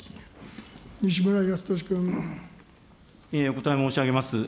お答え申し上げます。